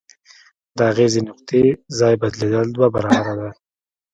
د اغیزې نقطې ځای بدلیدل دوه برابره دی.